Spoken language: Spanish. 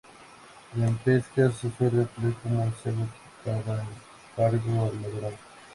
En pesca se suele emplear como cebo para el pargo o la dorada.